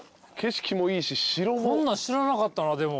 こんなん知らなかったなでも。